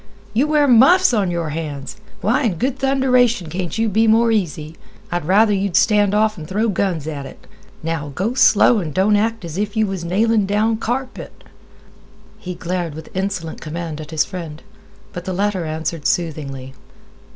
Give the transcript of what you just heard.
You wear muffs on your hands. Why in good thunderation can't you be more easy? I'd rather you'd stand off an' throw guns at it. Now, go slow, an' don't act as if you was nailing down carpet." He glared with insolent command at his friend, but the latter answered soothingly.